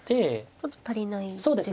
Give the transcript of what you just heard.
ちょっと足りないですか。